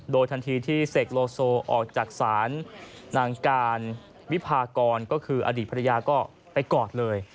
โดยทันทีที่เสกโลโซออกจากศาลนางการวิพากรก็คืออดีตภรรยาก็ไปกอดเลย